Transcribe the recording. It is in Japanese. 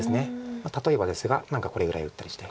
例えばですが何かこれぐらい打ったりして。